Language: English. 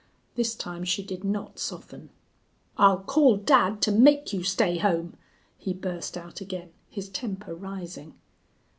This time she did not soften. "I'll call dad to make you stay home," he burst out again, his temper rising.